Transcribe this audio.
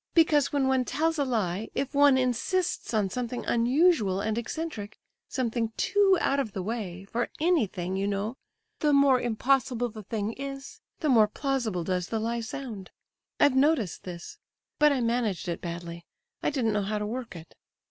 "Because when one tells a lie, if one insists on something unusual and eccentric—something too 'out of the way' for anything, you know—the more impossible the thing is, the more plausible does the lie sound. I've noticed this. But I managed it badly; I didn't know how to work it."